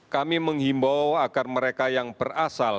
kami menghimbau agar mereka yang berasal